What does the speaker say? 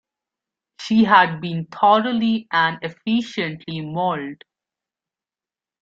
She had been thoroughly and efficiently mauled.